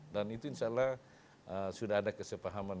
dan itu insya allah sudah ada kesepahaman